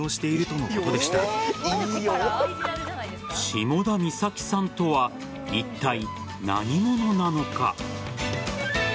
下田美咲さんとはいったい何者なのか。